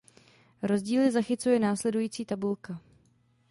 Rozdíly zachycuje následující tabulka.